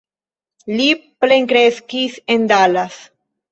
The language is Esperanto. Li plenkreskis en Dallas.